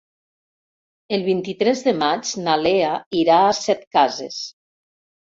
El vint-i-tres de maig na Lea irà a Setcases.